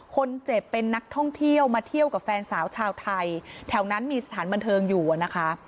คนเจ็บเป็นนักท่องเที่ยวมาเที่ยวกับแฟนสาวชาวไทยแถวนั้นมีสถานบันเทิงอยู่อะนะคะ